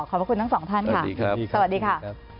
ขอบคุณทั้งสองท่านค่ะสวัสดีค่ะ